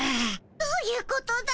どういうことだい？